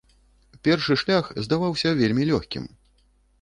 Першы шлях здаваўся вельмі лёгкім.